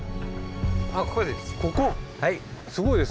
ここです。